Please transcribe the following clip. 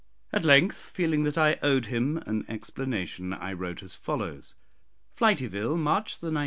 At length, feeling that I owed him an explanation, I wrote as follows: "FLITYVILLE, March 19.